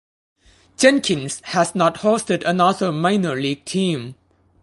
Jenkins has not hosted another minor league team.